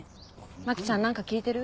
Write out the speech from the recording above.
牧ちゃん何か聞いてる？